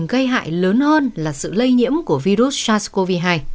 gây hại lớn hơn là sự lây nhiễm của virus sars cov hai